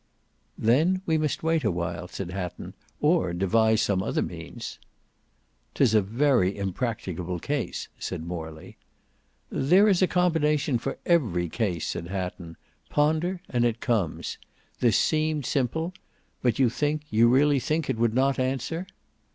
"Then we must wait awhile," said Hatton, "or devise some other means." "'Tis a very impracticable case," said Morley. "There is a combination for every case," said Hatton. "Ponder and it comes. This seemed simple; but you think, you really think it would not answer?"